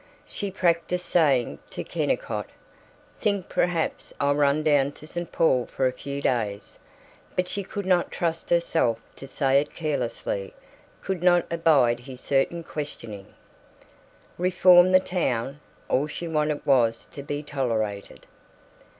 She practised saying to Kennicott, "Think perhaps I'll run down to St. Paul for a few days." But she could not trust herself to say it carelessly; could not abide his certain questioning. Reform the town? All she wanted was to be tolerated!